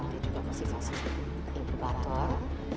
dia juga masih masih impubator